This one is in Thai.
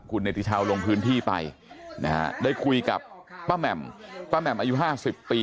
คุณเนติชาวลงพื้นที่ไปนะฮะได้คุยกับป้าแหม่มป้าแหม่มอายุ๕๐ปี